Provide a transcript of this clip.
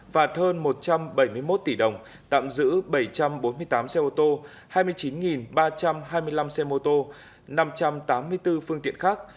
phạt hơn một trăm bảy mươi một tỷ đồng tạm giữ bảy trăm bốn mươi tám xe ô tô hai mươi chín ba trăm hai mươi năm xe mô tô năm trăm tám mươi bốn phương tiện khác